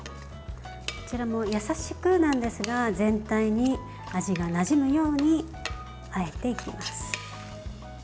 こちらも優しくなんですが全体に味がなじむようにあえていきます。